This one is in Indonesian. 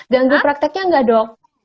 ganggu prakteknya enggak dok